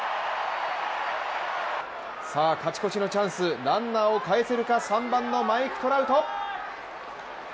勝ち越しのチャンス、ランナーを帰せるか、３番のマイク・トラウト。